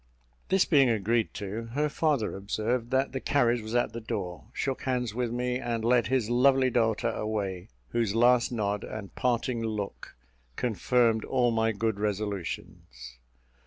This being agreed to, her father observed that the carriage was at the door, shook hands with me, and led his lovely daughter away, whose last nod and parting look confirmed all my good resolutions.